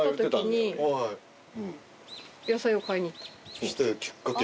そしたらきっかけ。